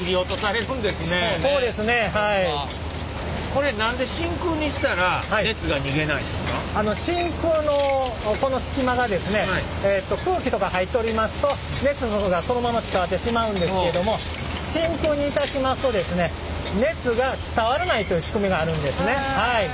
これ真空のこの隙間がですね空気とか入っておりますと熱がそのまま伝わってしまうんですけれども真空にいたしますと熱が伝わらないという仕組みがあるんですね。